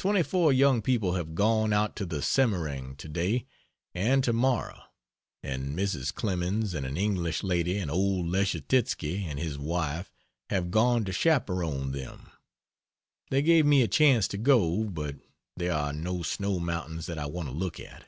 Twenty four young people have gone out to the Semmering to day (and to morrow) and Mrs. Clemens and an English lady and old Leschetitzky and his wife have gone to chaperon them. They gave me a chance to go, but there are no snow mountains that I want to look at.